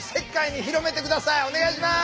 お願いします。